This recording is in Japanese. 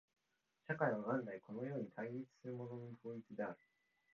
社会は元来このように対立するものの統一である。